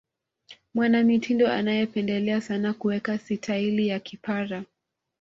mwanamitindo anayependelea sana kuweka sitaili ya kipara